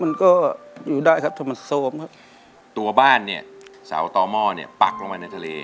มันก็อยู่ได้ครับถ้ามันโซมครับตัวบ้านเนี่ยเสาต่อหม้อเนี่ยปักลงไปในทะเล